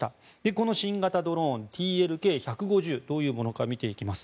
この新型ドローン、ＴＬＫ１５０どういうものか見ていきます。